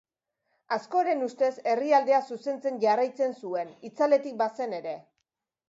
Askoren ustez, herrialdea zuzentzen jarraitzen zuen, itzaletik bazen ere.